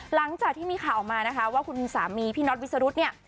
หลังจากที่มีข่าวออกมานะคะว่าคุณสามีพี่น็อตวิสรุธเนี่ย